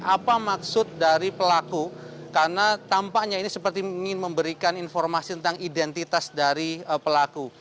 apa maksud dari pelaku karena tampaknya ini seperti ingin memberikan informasi tentang identitas dari pelaku